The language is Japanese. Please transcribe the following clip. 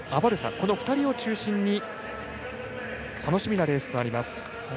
この２人を中心に楽しみなレースとなります。